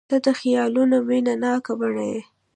• ته د خیالونو مینهناکه بڼه یې.